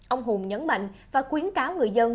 ông hùng nhấn mạnh và quyến cáo người dân